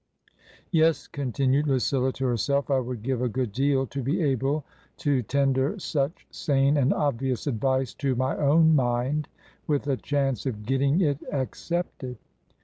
" Yes," continued Lucilla to herself, " I would give a good deal to be able to tender such sane and obvious advice to my own mind — with a chance of getting it accepted